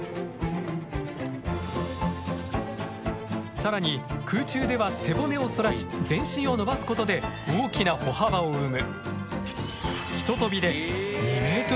更に空中では背骨を反らし全身を伸ばすことで大きな歩幅を生む。